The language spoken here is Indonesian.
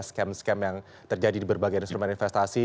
scam scam yang terjadi di berbagai instrumen investasi